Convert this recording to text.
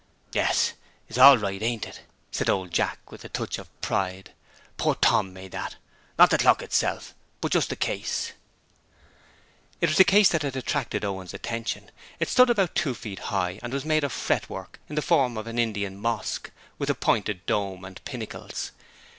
'Yes, it's all right, ain't it?' said old Jack, with a touch of pride. 'Poor Tom made that: not the clock itself, but just the case.' It was the case that had attracted Owen's attention. It stood about two feet high and was made of fretwork in the form of an Indian mosque, with a pointed dome and pinnacles.